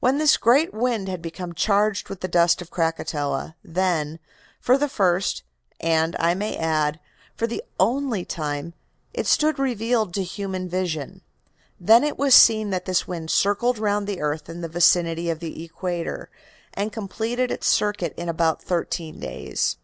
When this great wind had become charged with the dust of Krakatoa, then, for the first, and, I may add, for the only time, it stood revealed to human vision. Then it was seen that this wind circled round the earth in the vicinity of the equator, and completed its circuit in about thirteen days.